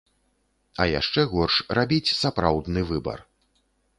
А яшчэ горш рабіць сапраўдны выбар.